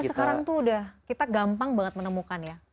sekarang tuh udah kita gampang banget menemukan ya